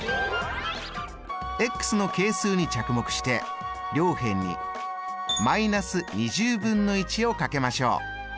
の係数に着目して両辺にーをかけましょう。